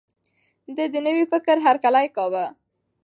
ده د نوي فکر هرکلی کاوه.